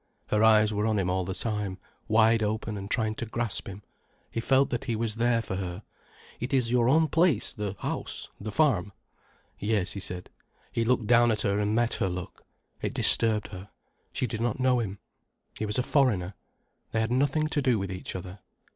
Her eyes were on him all the time, wide open and trying to grasp him. He felt that he was there for her. "It is your own place, the house, the farm——?" "Yes," he said. He looked down at her and met her look. It disturbed her. She did not know him. He was a foreigner, they had nothing to do with each other.